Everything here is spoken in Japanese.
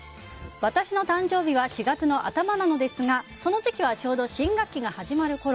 私の誕生日は４月の頭なのですがその時期はちょうど新学期が始まるころ。